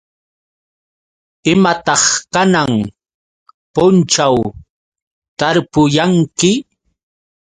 ¿Imataq kanan punćhaw tarpuyanki?